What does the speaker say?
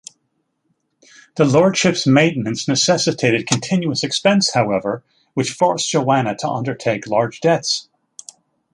The lordship's maintenance necessitated continuous expense, however, which forced Joanna to undertake large debts.